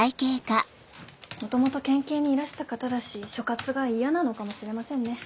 元々県警にいらした方だし所轄が嫌なのかもしれませんね。